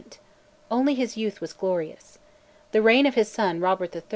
Only his youth was glorious. The reign of his son, Robert III.